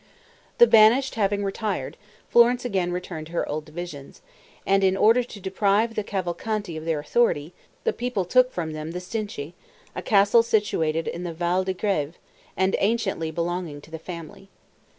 The banished having retired, Florence again returned to her old divisions; and in order to deprive the Cavalcanti of their authority, the people took from them the Stinche, a castle situated in the Val di Greve, and anciently belonging to the family.